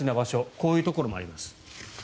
こういうところもあります。